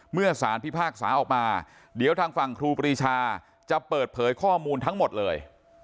เมื่อสารพิพากษาออกมาเดี๋ยวทางฝั่งครูปรีชาจะเปิดเผยข้อมูลทั้งหมดเลย